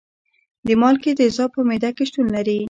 د مالګې تیزاب په معده کې شتون لري.